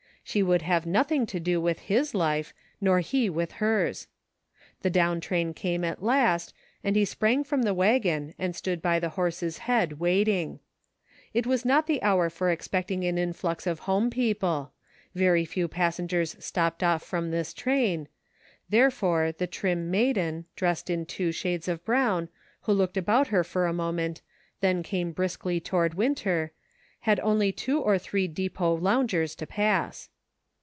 She would have noth ing to do with his life, nor he with hers. The down train came at last, and he sprang from the wagon and stood by the horse's head waiting. It was not the hour for expecting an influx of home people — very few passengers stopped off from this train — therefore the trim maiden, dressed in two shades of brown, who looked about her for a moment, then came briskly toward Winter, had only two or three depot loungers to pass.